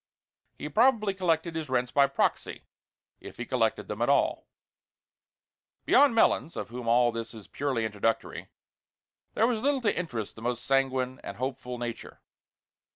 He probably collected his rents by proxy if he collected them at all. Beyond Melons, of whom all this is purely introductory, there was little to interest the most sanguine and hopeful nature.